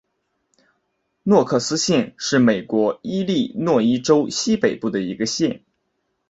诺克斯县是美国伊利诺伊州西北部的一个县。